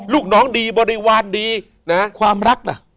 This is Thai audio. ลูกน้องดีบริวารดีนะความรักน่ะ